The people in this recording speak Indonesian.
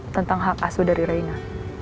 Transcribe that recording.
tentang hak asuh dari reina